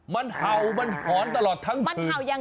มันเห่ามันหอนตลอดทั้งวัน